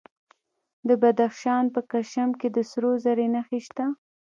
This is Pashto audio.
د بدخشان په کشم کې د سرو زرو نښې شته.